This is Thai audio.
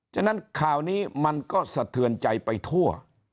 ฉะนั้นข่าวนี้มันก็สะเทือนใจไปทั่ว